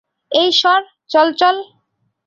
এই সর - চল, চল!